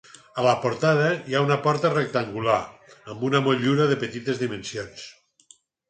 A la portada hi ha una porta rectangular, amb motllura de petites dimensions.